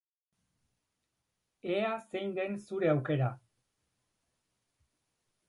Ea zein den zure aukera!